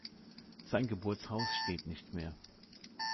Sein Geburtshaus steht nicht mehr.